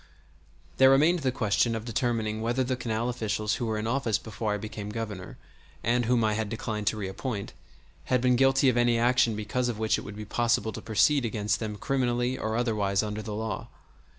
There remained the question of determining whether the canal officials who were in office before I became Governor, and whom I had declined to reappoint, had been guilty of any action because of which it would be possible to proceed against them criminally or otherwise under the law.